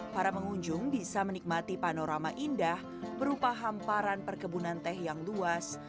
para pengunjung bisa menikmati panorama indah berupa hamparan perkebunan teh yang luas